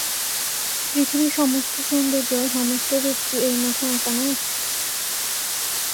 পৃথিবীর সমস্ত সৌন্দর্য, সমস্ত রূপ কি এই মুখে আঁকা নয়?